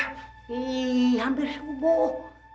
hei hampir subuh